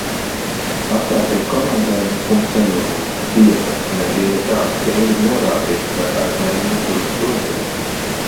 Atceltie komandējumi un ceļojumi. Tiesa, nebija nekādu stingru norādījumu vai aizliegumu turp doties.